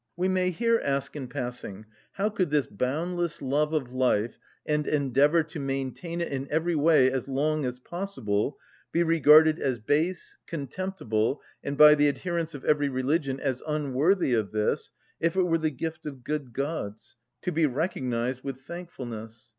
We may here ask, in passing, how could this boundless love of life and endeavour to maintain it in every way as long as possible be regarded as base, contemptible, and by the adherents of every religion as unworthy of this, if it were the gift of good gods, to be recognised with thankfulness?